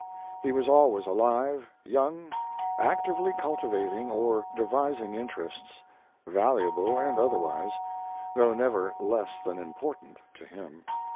He was always alive, young, actively cultivating or devising interests valuable and otherwise, though never less than important to him.